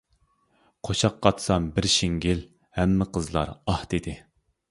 قوشاق قاتسام بىر شىڭگىل، ھەممە قىزلار ئاھ دېدى.